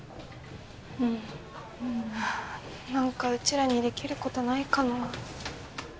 うん何かうちらにできることないかな